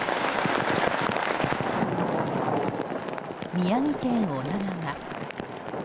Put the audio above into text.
宮城県女川。